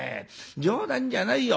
冗談じゃないよ